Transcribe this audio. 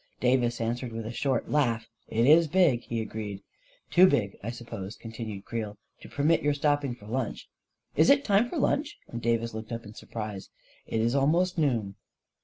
Davis answered with a short laugh. 11 It is big," he agreed. 11 Too big, I suppose," continued Creel, " to per mit your stopping for lunch." 44 Is it time for lunch? " and Davis looked up in surprise. 44 It's almost noon."